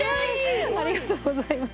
ありがとうございます。